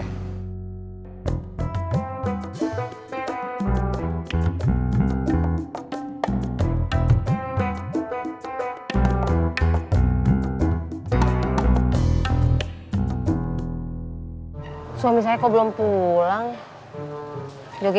pertama kali saya mau nanya